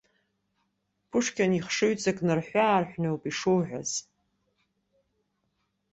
Пушкин ихшыҩҵак нарҳәы-аарҳәноуп ишуҳәаз!